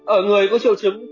ở người có triệu chứng